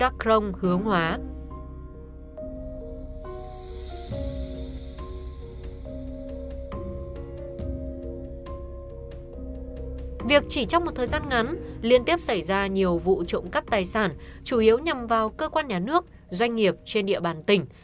việc chỉ trong một thời gian ngắn liên tiếp xảy ra nhiều vụ trộm cắp tài sản chủ yếu nhằm vào cơ quan nhà nước doanh nghiệp trên địa bàn tỉnh